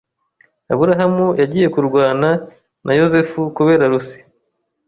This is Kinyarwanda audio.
Aburahamu yagiye kurwana na Yozefu kubera Lucy.